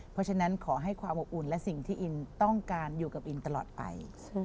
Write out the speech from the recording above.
เพราะฉะนั้นขอให้ความอบอุ่นและสิ่งที่อินต้องการอยู่กับอินตลอดไป